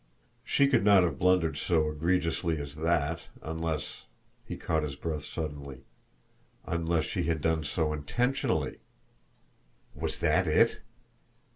She could not have blundered so egregiously as that, unless he caught his breath suddenly unless she had done so intentionally! Was that it?